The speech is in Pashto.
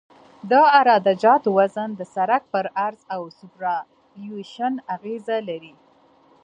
د عراده جاتو وزن د سرک په عرض او سوپرایلیویشن اغیزه لري